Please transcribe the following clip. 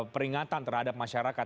peringatan terhadap masyarakat